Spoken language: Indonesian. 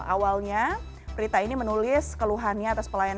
awalnya prita ini menulis keluhannya atas pelayanan